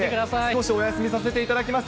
少しお休みさせていただきま